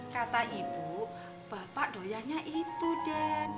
kata ibu bapak doyannya itu den